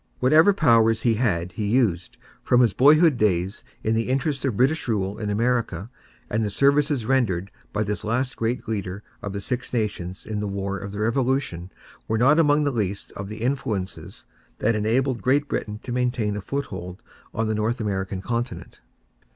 Whatever powers he had he used, from his boyhood days, in the interests of British rule in America, and the services rendered by this last great leader of the Six Nations in the War of the Revolution were not among the least of the influences that enabled Great Britain to maintain a foothold on the North American continent.